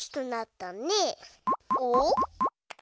おっ？